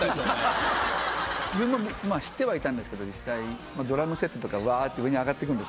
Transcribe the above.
知ってはいたんですけど実際ドラムセットとかわって上に上がって来るんですね。